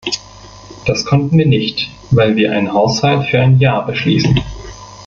Das konnten wir nicht, weil wir einen Haushalt für ein Jahr beschließen.